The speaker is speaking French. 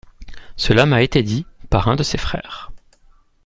Cela m’a été dit par un de ses frères.